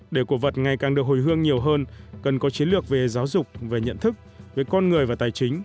để cổ vật ngày càng được hồi hương nhiều hơn cần có chiến lược về giáo dục về nhận thức về con người và tài chính